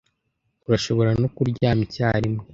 Urashobora no kuryama icyarimwe .